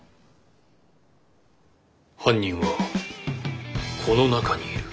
犯人はこの中にいる。